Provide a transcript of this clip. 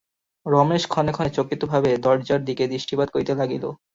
রমেশ ক্ষণে ক্ষণে চকিতভাবে দরজার দিকে দৃষ্টিপাত করিতে লাগিল।